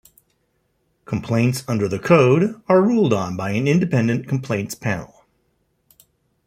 Complaints under the Code are ruled on by an independent complaints panel.